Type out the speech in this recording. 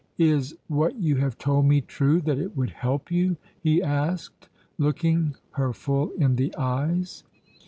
"Is what you have told me true, that it would help you?" he asked, looking her full in the eyes.